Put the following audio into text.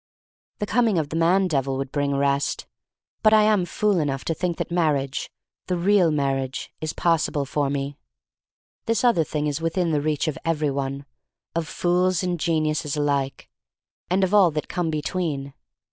The coming of the man devil would bring rest. But I am fool enough to think that marriage — the real mar riage — is possible for me! This other thing is within the reach of every one— of fools and geniuses alike — and of all that come between.